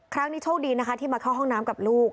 ครั้งนี้โชคดีนะคะที่มาเข้าห้องน้ำกับลูก